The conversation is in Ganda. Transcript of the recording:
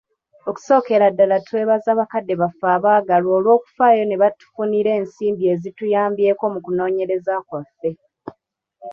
Okusookera ddala twebaza bakadde baffe abaagalwa olw'okufaayo ne batufunira ensimbi ezituyambyeko mu kunoonyereza kwaffe.